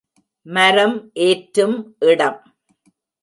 மரம் ஏற்றும் இடம்.